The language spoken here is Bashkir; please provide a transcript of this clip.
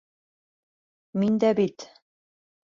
Мин дә бит...